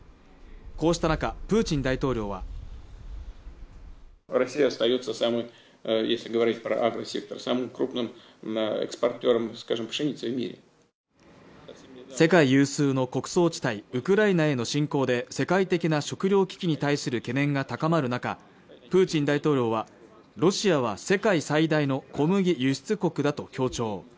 こうした中プーチン大統領は世界有数の穀倉地帯ウクライナへの侵攻で世界的な食糧危機に対する懸念が高まる中プーチン大統領はロシアは世界最大の小麦輸出国だと強調